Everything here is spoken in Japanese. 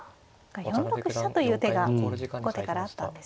４六飛車という手が後手からあったんですね。